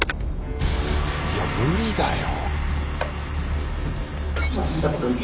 いや無理だよ。